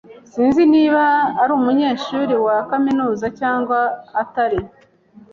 Sinzi niba ari umunyeshuri wa kaminuza cyangwa atari.